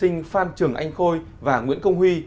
những công huy